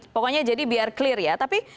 pokoknya jadi biar clear ya tapi